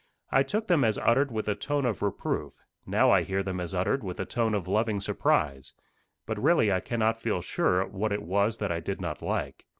I took them as uttered with a tone of reproof; now I hear them as uttered with a tone of loving surprise. But really I cannot feel sure what it was that I did not like.